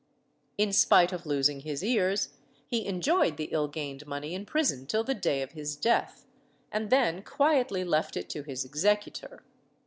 In spite of losing his ears, he enjoyed the ill gained money in prison till the day of his death, and then quietly left it to his executor.